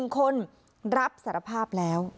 ๑คนรับสารภาพแล้ว